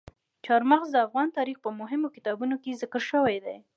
چار مغز د افغان تاریخ په مهمو کتابونو کې ذکر شوي دي.